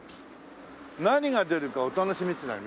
「何が出るかはお楽しみ」っていうのあるよ。